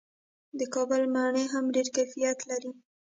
د کابل مڼې هم ډیر کیفیت لري.